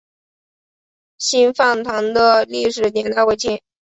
新坂堂的历史年代为清。